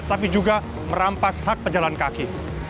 tapi juga merampas hak pejalan kaki